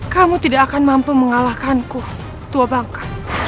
kamu tidak akan mampu mengalahkanku tua bangka